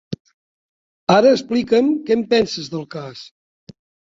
Ara explica'm què en penses del cas.